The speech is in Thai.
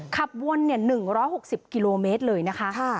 ขับวน๑๖๐กิโลเมตรเลยนะคะ